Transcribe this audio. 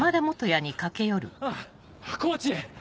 あっコーチ！